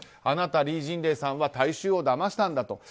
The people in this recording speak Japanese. あなた、リー・ジンレイさんは大衆をだましたんだと。